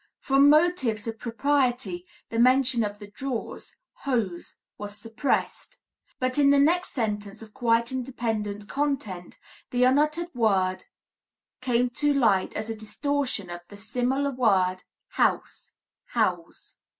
From motives of propriety, the mention of the drawers (Hose) was suppressed, but in the next sentence of quite independent content the unuttered word came to light as a distortion of the similar word, house (Hause).